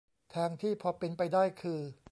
ทางที่พอเป็นไปได้คือ